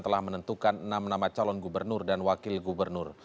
telah menentukan enam nama calon gubernur dan wakil gubernur